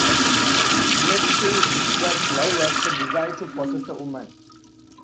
Nietzsche describes love as the desire to possess a woman.